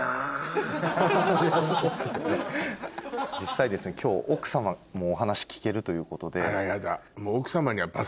実際ですね今日奥さまもお話聞けるということで。